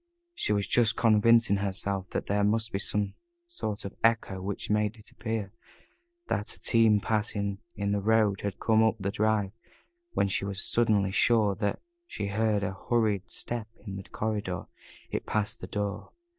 She was just convincing herself that there must be some sort of echo which made it appear that a team passing in the road had come up the drive when she was suddenly sure that she heard a hurried step in the corridor it passed the door.